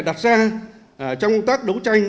đặt ra trong công tác đấu tranh